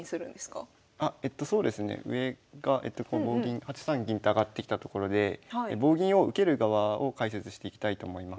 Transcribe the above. そうですね上が棒銀８三銀って上がってきたところで棒銀を受ける側を解説していきたいと思います。